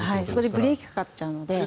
そこでブレーキがかかっちゃうので。